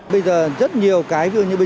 bây giờ rất nhiều cái ví dụ như bây